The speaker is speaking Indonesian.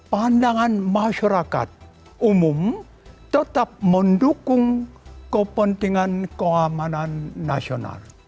pandangan masyarakat umum tetap mendukung kepentingan keamanan nasional